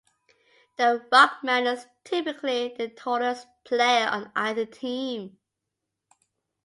The ruckman is typically the tallest player on either team.